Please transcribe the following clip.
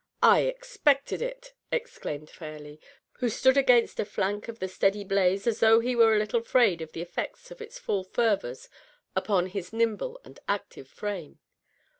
'^ I expected it !" exclaimed Fairleigh, who stood against a flank of ihe steady blaze, as though he was a litUe afraid of the effects of its fiill fervors upon his nimble and active frame.